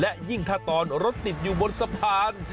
และยิ่งถ้าตอนรถติดอยู่บนสะพาน